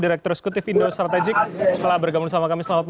direktur eksekutif indo strategik telah bergabung sama kami selamat malam